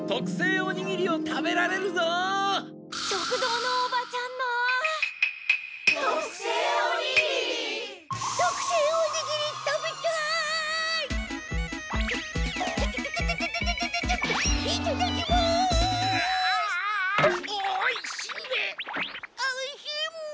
おいしい！